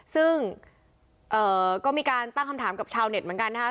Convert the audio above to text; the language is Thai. ซึ่งก็มีการตั้งคำถามกับชาวเน็ตเหมือนกันนะคะ